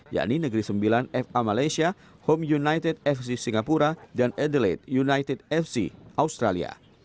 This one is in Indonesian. yakni negeri sembilan fa malaysia home united fc singapura dan adelaide united fc australia